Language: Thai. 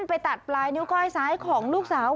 ไปตัดปลายนิ้วก้อยซ้ายของลูกสาว